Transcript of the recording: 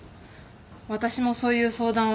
私もそういう相談は。